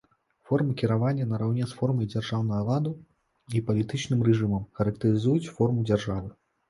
Форма кіравання нараўне з формай дзяржаўнага ладу і палітычным рэжымам характарызуюць форму дзяржавы.